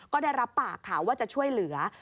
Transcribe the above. ก็ได้รับปากค่ะว่าจะช่วยเหลือ